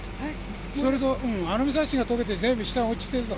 それとアルミサッシが溶けて、全部下に落ちてた。